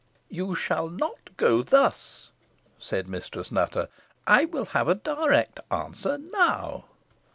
"You shall not go thus," said Mistress Nutter. "I will have a direct answer now."